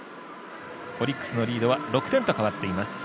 オリックスのリードは６点と変わっています。